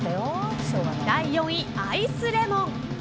第４位、アイスレモン。